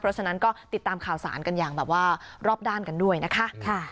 เพราะฉะนั้นก็ติดตามข่าวสารกันอย่างแบบว่ารอบด้านกันด้วยนะคะ